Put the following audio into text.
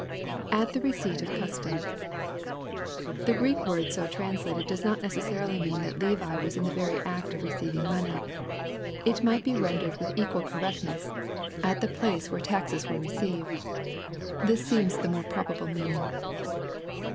[At the receipt of custom,] The Greek word so translated does not necessarily mean that Levi was in the very act of re oeiving money. It might be rendered with equal oorrectnesa, 152 EXPOSITORY THOUGHTS. ''At the i^ace where taxe? were received." This seenu the mora probable meaning.